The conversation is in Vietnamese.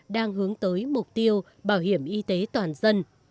đang hướng tới mục tiêu bảo hiểm y tế toàn dân